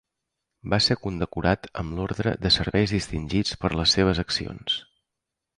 Va ser condecorat amb l'Ordre de Serveis Distingits per les seves accions.